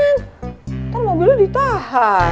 ntar mobilnya ditahan